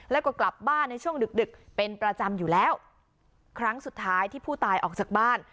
แล้วก็กลับบ้านในช่วงดึกดึกเป็นประจำอยู่แล้วครั้งสุดท้ายที่ผู้ตายออกจากบ้าน